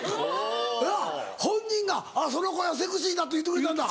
うわ本人がその声はセクシーだって言ってくれたんだ。